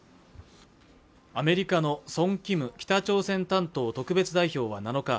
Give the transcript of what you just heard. アメリカのソン・キム北朝鮮担当特別代表は７日